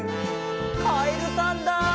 「カエルさんだ」